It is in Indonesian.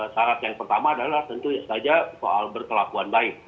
syarat yang pertama adalah tentu saja soal berkelakuan baik